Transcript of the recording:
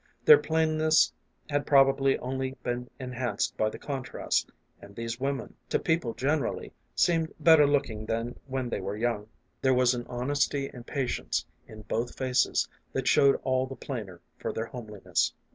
Their plainness had probably only been enhanced by the contrast, and these women, to people generally, seemed bet ter looking than when they were young. There was an honesty and patience in both faces that showed all the plainer for their homeliness.